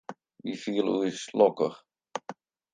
Wy fiele ús lokkich.